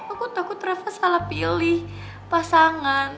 aku takut travel salah pilih pasangan